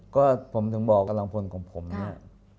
ก็ผมถึงบอกกำลังพลของผมเนี่ย